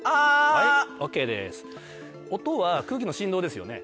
音は空気の振動ですよね。